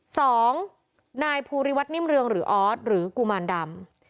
สองนายภูริวัฒนิ่มเรืองหรือออสหรือกุมารดำ